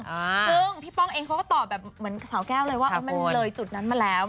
ซึ่งพี่ป้องเองเขาก็ตอบแบบเหมือนสาวแก้วเลยว่ามันเลยจุดนั้นมาแล้ว